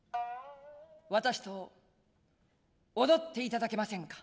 私と踊っていただけませんか」。